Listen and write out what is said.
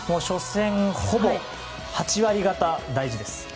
初戦、ほぼ８割がた大事です。